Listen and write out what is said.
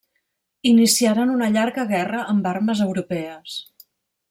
Iniciaren una llarga guerra amb armes europees.